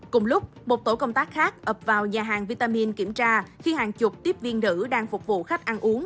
cùng lúc một tổ công tác khác ập vào nhà hàng vitamin kiểm tra khi hàng chục tiếp viên nữ đang phục vụ khách ăn uống